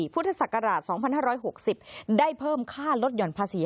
พุทธศักราช๒๕๖๐ได้เพิ่มค่าลดหย่อนภาษี